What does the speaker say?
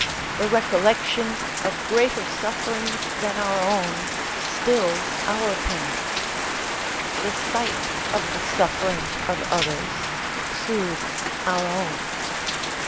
The recollection of greater sufferings than our own stills our pain; the sight of the sufferings of others soothes our own.